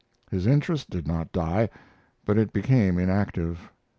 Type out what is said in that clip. His interest did not die, but it became inactive.